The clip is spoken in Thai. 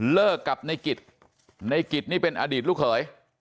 เลิกกับในกิจในกิจนี่เป็นอดีตลูกเขย